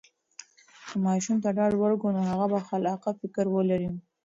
که ماشوم ته ډاډ ورکړو، نو هغه به خلاقه فکر ولري.